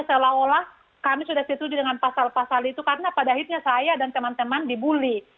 seolah olah kami sudah setuju dengan pasal pasal itu karena pada akhirnya saya dan teman teman dibully